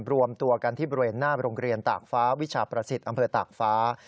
รวมตัวกันที่บริเวณหน้าโรงเรียนตากฟ้าวิชาประสิทธิ์อำเภอตากฟ้า